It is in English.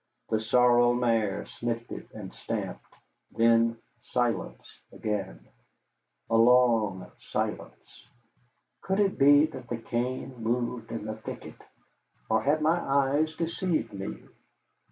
The sorrel mare sniffed it, and stamped. Then silence again, a long silence. Could it be that the cane moved in the thicket? Or had my eyes deceived me?